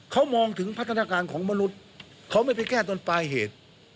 เขามองถึงพัฒนาการของมนุษย์เขาไม่ไปแก้ต้นปลายเหตุ